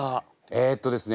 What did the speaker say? えっとですね